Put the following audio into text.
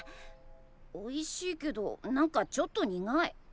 おいしいけど何かちょっと苦い。